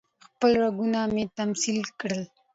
خپل رګونه مې تسمې کړې